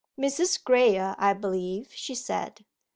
'Mrs. Graye, I believe?' she said.